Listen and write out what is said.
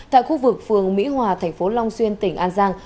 tại khu vực phường mỹ hòa thành phố long xuyên tỉnh an giang